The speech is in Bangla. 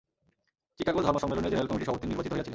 চিকাগো ধর্মসম্মেলনের জেনারেল কমিটির সভাপতি নির্বাচিত হইয়াছিলেন।